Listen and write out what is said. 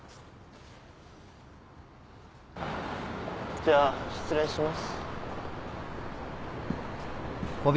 じゃあ失礼します。